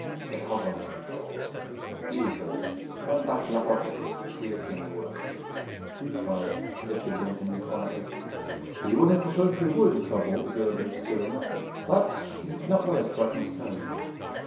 "Get hot on those controls. You, Phillips! Run back to that rocket room and see that things work!" "You try it," suggested the engineer quietly. He would have preferred to avoid the trouble the girl had been stirring up, but he did not relish Brecken's tone.